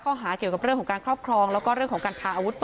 ข้อหาเรื่องกับการครอบครองและการขาอาวุธเป็นตัวดี